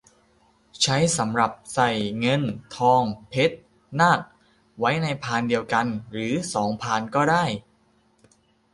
ใช้สำหรับใส่เงิน ทอง เพชร นาค ไว้ในพานเดียวกัน หรือ สอง พานก็ได้